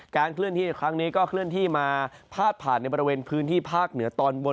เคลื่อนที่ในครั้งนี้ก็เคลื่อนที่มาพาดผ่านในบริเวณพื้นที่ภาคเหนือตอนบน